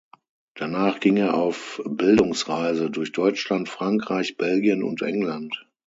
Danach ging er auf Bildungsreise durch Deutschland, Frankreich, Belgien und England.